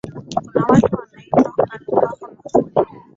Kuna watu wameitwa, wamepakwa mafuta.